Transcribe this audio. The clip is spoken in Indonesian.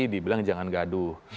dibilang jangan gaduh